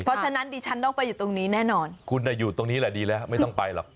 เพราะฉะนั้นดิฉันต้องไปอยู่ตรงนี้แน่นอนคุณอยู่ตรงนี้แหละดีแล้วไม่ต้องไปหรอก